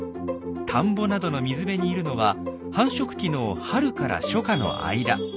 田んぼなどの水辺にいるのは繁殖期の春から初夏の間。